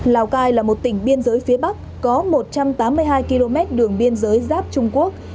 lào cai là một tỉnh biên giới phía bắc có một trăm tám mươi hai km đường biên giới giáp trung quốc